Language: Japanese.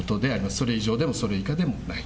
それ以上でも、それ以下でもない。